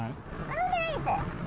飲んでないです。